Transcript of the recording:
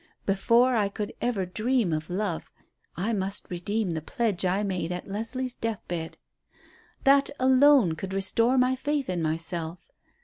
Before I could ever dream of love I must redeem the pledge I made at Leslie's deathbed. That alone could restore my faith in myself.